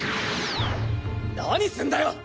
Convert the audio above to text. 何すんだよ！